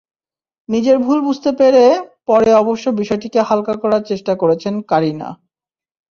নিজের ভুল বুঝতে পেরে পরে অবশ্য বিষয়টিকে হালকা করার চেষ্টা করেছেন কারিনা।